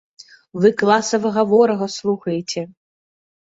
Вы класавага ворага слухаеце!